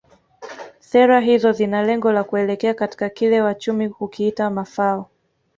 Sera hizo zina lengo la kuelekea katika kile wachumi hukiita mafao